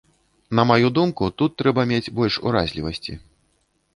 На маю думку, тут трэба мець больш уразлівасці.